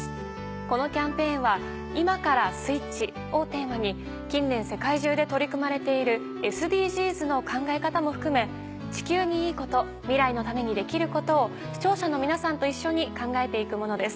このキャンペーンは「今からスイッチ」をテーマに近年世界中で取り組まれているＳＤＧｓの考え方も含め地球にいいこと未来のためにできることを視聴者の皆さんと一緒に考えて行くものです。